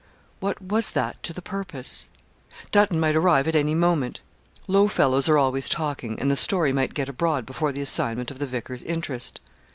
What was that to the purpose? Dutton might arrive at any moment. Low fellows are always talking; and the story might get abroad before the assignment of the vicar's interest.